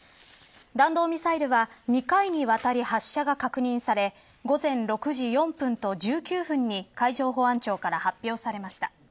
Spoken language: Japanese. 弾道ミサイルは２回にわたり発射が確認され午前６時４分と１９分に海上保安庁から発表されました。